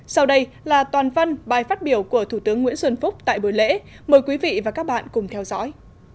sau đây là toàn văn bài phát biểu của thủ tướng nguyễn xuân phúc tại buổi lễ mời quý vị và các bạn cùng theo dõi